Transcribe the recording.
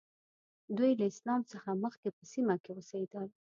دوی له اسلام څخه مخکې په سیمه کې اوسېدل.